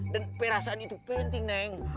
dan perasaan itu penting neng